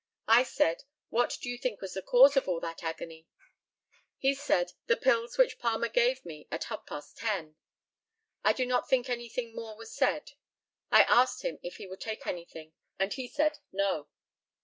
I said, "What do you think was the cause of all that agony?" He said, "The pills which Palmer gave me at half past 10." I do not think anything more was said. I asked him if he would take anything, and he said, "No."